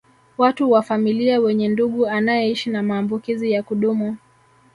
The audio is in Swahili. Watu wa familia wenye ndugu anayeishi na maambukizi ya kudumu